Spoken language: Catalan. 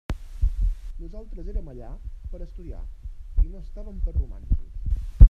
Nosaltres érem allà per a estudiar i no estàvem per romanços.